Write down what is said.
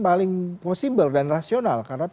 paling possible dan rasional karena